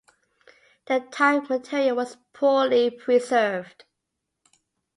The type material was poorly preserved.